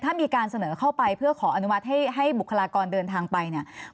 ถ้ามีการเสนอเข้าไปเพื่อขออนุมัติให้บุคลากรเดินทางไปเนี่ย